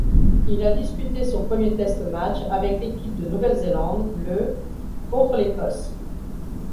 Il a disputé son premier test match avec l'équipe de Nouvelle-Zélande le contre l'Écosse.